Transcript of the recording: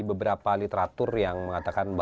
beberapa literatur yang mengatakan